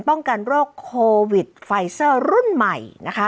ป้องกันโรคโควิดไฟเซอร์รุ่นใหม่นะคะ